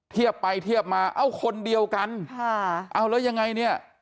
เทียบไปเทียบมาเอ้าคนเดียวกันค่ะเอาแล้วยังไงเนี่ย